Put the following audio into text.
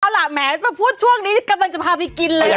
เอาล่ะแหมมาพูดช่วงนี้กำลังจะพาไปกินเลย